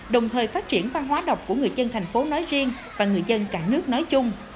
đồng thời phát triển văn hóa đọc của người chân tp hcm nói riêng và người chân cả nước nói chung